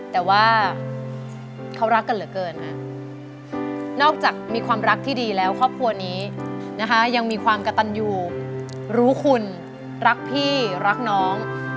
แต่ว่าเขารักกันเหลือเกินนะนอกจากมีความรักที่ดีแล้วครอบครัวนี้นะคะยังมีความกระตันอยู่รู้คุณรักพี่รักน้อง